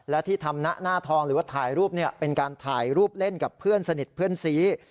และที่ทำหน้าทองหรือว่าถ่ายรูปเป็นการถ่ายรูปเล่นกับเพื่อนสนิทเพื่อนซี